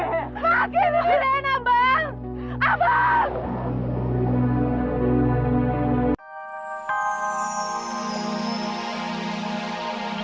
bukanya keisi saya abang